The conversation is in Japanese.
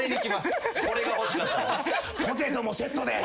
「ポテトもセットで」